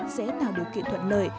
sẽ tạo được kỹ thuật lợi